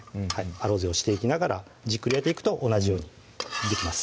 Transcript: アロゼをしていきながらじっくり焼いていくと同じようにできます